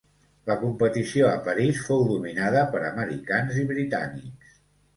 La competició a París fou dominada per americans i britànics.